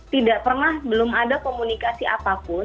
tidak pernah belum ada komunikasi apapun